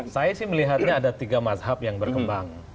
saya sih melihatnya ada tiga mazhab yang berkembang